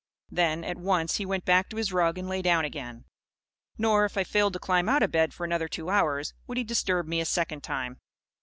Then, at once, he went back to his rug and lay down again. Nor, if I failed to climb out of bed for another two hours, would he disturb me a second time.